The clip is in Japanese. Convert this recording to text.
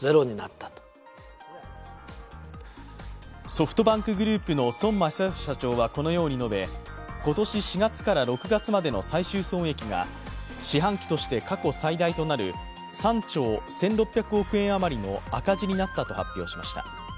ソフトバンクグループの孫正義社長はこのように述べ今年４月から６月までの最終損益が四半期として過去最大となる３兆１６００億円余りの赤字になったと発表しました。